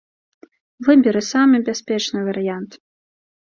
Выберы самы бяспечны варыянт.